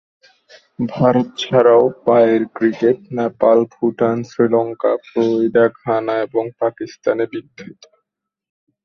ভারত ছাড়াও পায়ের cricket Nepal, Bhutan, Sri Lanka, Florida, Ghana এবং পাকিস্তানে বিখ্যাত।